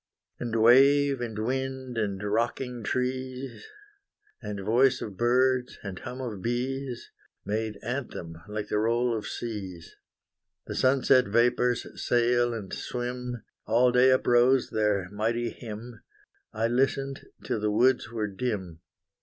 And wave, and wind, and rocking trees, And voice of birds, and hum of bees, Made anthem, like the roll of seas. The sunset vapors sail and swim; All day uprose their mighty hymn, I listened till the woods were dim.